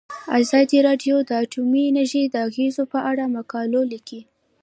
ازادي راډیو د اټومي انرژي د اغیزو په اړه مقالو لیکلي.